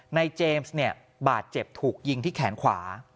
เจมส์เนี่ยบาดเจ็บถูกยิงที่แขนขวา